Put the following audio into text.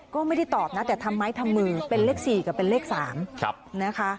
ก็ไม่ได้ตอบนะแต่ทำไม้ทำมือเป็นเลข๔กับเป็นเลข๓นะคะ